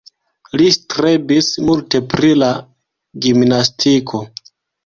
Li strebis multe pri la gimnastiko.